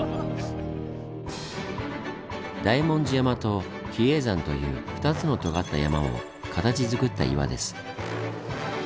大文字山と比叡山という２つのとがった山を形づくった岩です。